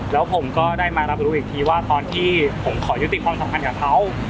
แล้วผมก็ได้มารับรู้อีกทีว่าตอนที่ผมขอยุติความสัมพันธ์กับเขา